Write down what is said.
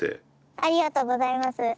ありがとうございます。